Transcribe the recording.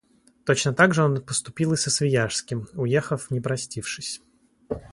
Точно так же он поступил и со Свияжским, уехав, не простившись.